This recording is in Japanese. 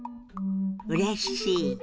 「うれしい」。